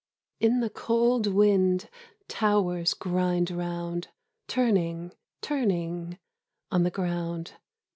In the cold wind, towers grind round, Turning, turning, on the ground.